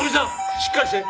しっかりして！